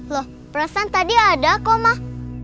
loh perasaan tadi ada kok mah